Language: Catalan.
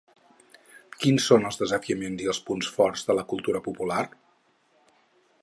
Quins són els desafiaments i els punts forts de la cultura popular?